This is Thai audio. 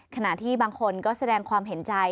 ขณะที่บางคนก็แสดงความเห็นใจ